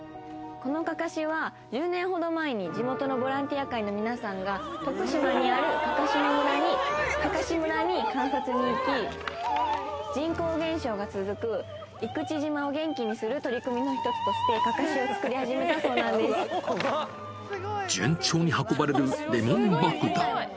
このかかしは、１０年ほどまでに地元のボランティア会の皆さんが、徳島にあるかかし村に観察に行き、人口減少が続く、生口島を元気にする取り組みの１つとしてかかし順調に運ばれるレモン爆弾。